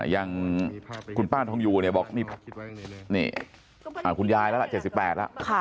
อย่างคุณป้าทองอยู่เนี่ยบอกนี่คุณยายแล้วล่ะ๗๘แล้ว